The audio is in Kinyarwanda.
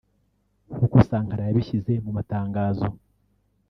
nkuko Sankara yabishyize mu matangazo